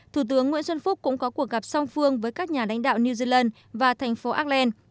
thủ tướng nguyễn xuân phúc cũng có cuộc gặp song phương với các nhà lãnh đạo new zealand và thành phố auckland